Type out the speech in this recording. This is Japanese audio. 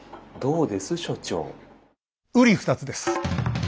うり二つです。